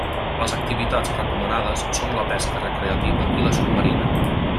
Les activitats recomanades són la pesca recreativa i la submarina.